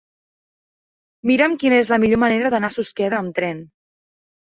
Mira'm quina és la millor manera d'anar a Susqueda amb tren.